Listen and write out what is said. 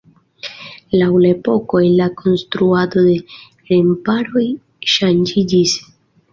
Laŭ la epokoj la konstruado de remparoj ŝanĝiĝis.